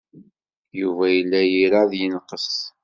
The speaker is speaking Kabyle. Yuba yella ira ad yenqes.